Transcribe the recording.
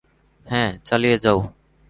হ্যাঁ, চালিয়ে যাও।